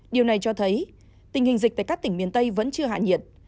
điều này cho thấy tình hình dịch tại các tỉnh miền tây vẫn chưa hạ nhiệt